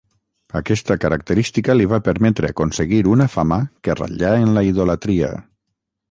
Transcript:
Aquesta característica li va permetre aconseguir una fama que ratllà en la idolatria.